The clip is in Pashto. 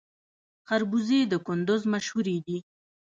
خربوزې د کندز مشهورې دي